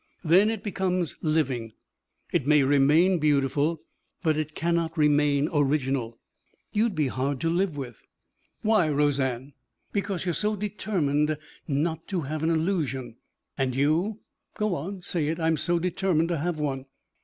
"Then it becomes living. It may remain beautiful, but it cannot remain original." "You'd be hard to live with." "Why, Roseanne?" "Because you're so determined not to have an illusion." "And you " "Go on. Say it. I'm so determined to have one."